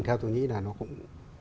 theo tôi nghĩ là nó cũng